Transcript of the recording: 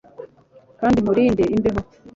kandi nkurinde imbeho